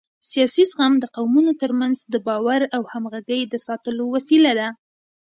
سیاسي زغم د قومونو ترمنځ د باور او همغږۍ د ساتلو وسیله ده